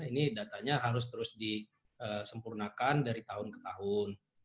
ini datanya harus terus disempurnakan dari tahun ke tahun